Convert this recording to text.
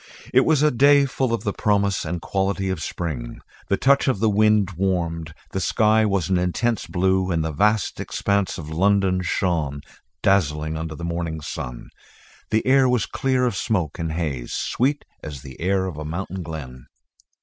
It was a day full of the promise and quality of spring. The touch of the wind warmed. The sky was an intense blue and the vast expanse of London shone dazzling under the morning sun. The air was clear of smoke and haze, sweet as the air of a mountain glen.